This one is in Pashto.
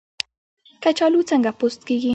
کچالو څنګه پوست کیږي؟